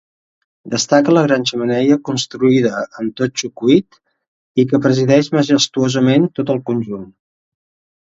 Destaca la gran xemeneia construïda amb totxo cuit i que presideix majestuosament tot el conjunt.